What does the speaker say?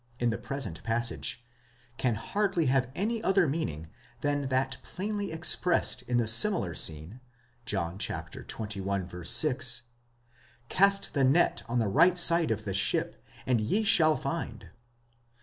in the present passage, can hardly have any other meaning than that plainly expressed in the similar scene, John xxi. 6, Cast the net on the right side of the ship, and ye shall find.